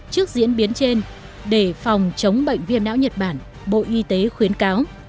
trước diễn biến trên để phòng chống bệnh viêm não nhật bản bộ y tế khuyến cáo